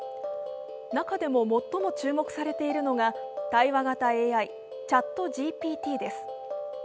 中でも最も注目されているのが対話型ＡＩ、ＣｈａｔＧＰＴです。